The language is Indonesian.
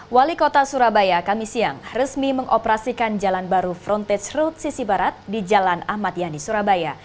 wali kota surabaya kami siang resmi mengoperasikan jalan baru frontage road sisi barat di jalan ahmad yani surabaya